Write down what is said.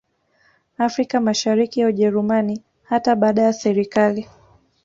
Afrika Mashariki ya Ujerumani hata baada ya serikali